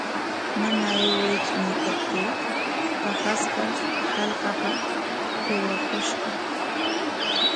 Mana aywaytsu ñiykaptii paqaspa hallqapa aywakushqa.